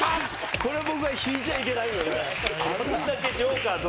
これは僕が引いちゃいけないよね。